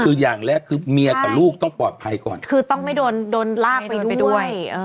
คืออย่างแรกคือเมียกับลูกต้องปลอดภัยก่อนคือต้องไม่โดนโดนลากไปด้วย